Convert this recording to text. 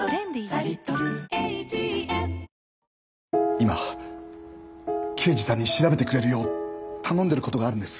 今刑事さんに調べてくれるよう頼んでる事があるんです。